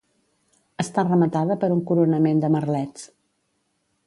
Està rematada per un coronament de merlets.